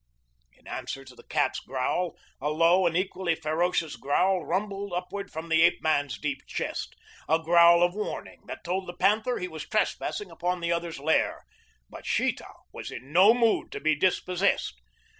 In answer to the cat's growl, a low and equally ferocious growl rumbled upward from the ape man's deep chest a growl of warning that told the panther he was trespassing upon the other's lair; but Sheeta was in no mood to be dispossessed.